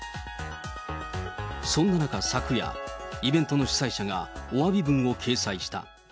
そんな中昨夜、イベントの主催者がおわび文を掲載した。